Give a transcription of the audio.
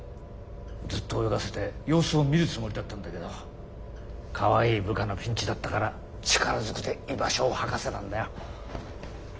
ずっと泳がせて様子を見るつもりだったんだけどかわいい部下のピンチだったから力ずくで居場所を吐かせたんだよ。